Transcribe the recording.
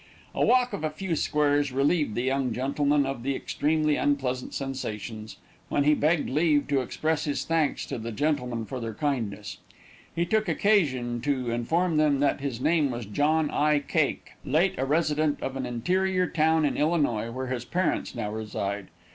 A walk of a few squares relieved the young gentleman of the extremely unpleasant sensations, when he begged leave to express his thanks to the gentlemen for their kindness. He took occasion to inform them that his name was John I. Cake, late a resident of an interior town in Illinois, where his parents now reside.